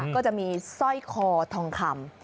ก็จะมีสร้อยคอทองคำ